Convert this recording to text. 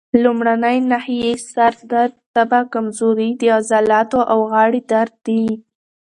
لومړنۍ نښې یې سر درد، تبه، کمزوري، د عضلاتو او غاړې درد دي.